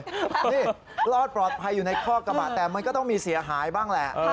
นี่รอดปลอดภัยอยู่ในคอกกระบะแต่มันก็ต้องมีเสียหายบ้างแหละ